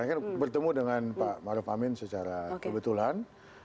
saya kan bertemu dengan pak maruf amin secara kebetulan